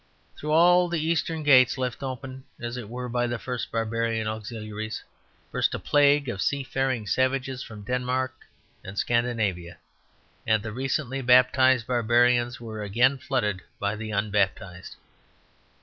Through all the eastern gates, left open, as it were, by the first barbarian auxiliaries, burst a plague of seafaring savages from Denmark and Scandinavia; and the recently baptized barbarians were again flooded by the unbaptized.